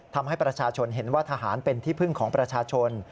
ทำให้ประชาชนเห็นว่าทหารเป็นที่พึ่งของประชาชน